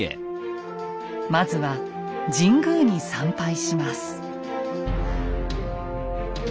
まずは神宮に参拝します。